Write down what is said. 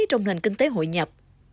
trong hành kinh tế hội nhập